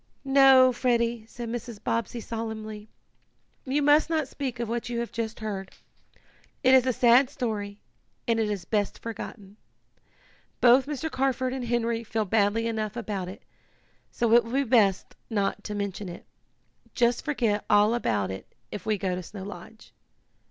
"No, Freddie," said Mrs. Bobbsey solemnly. "You must not speak of what you have just heard. It is a sad story, and is best forgotten. Both Mr. Carford and Henry feel badly enough about it, so it will be best not to mention it. Just forget all about it if we go to Snow Lodge."